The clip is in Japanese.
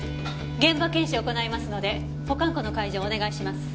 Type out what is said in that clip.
現場検証を行いますので保管庫の開錠をお願いします。